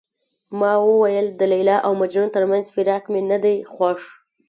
ما وویل د لیلا او مجنون ترمنځ فراق مې نه دی خوښ.